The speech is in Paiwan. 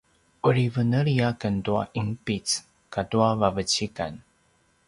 uri veneli aken tua ’inpic katua vavecikan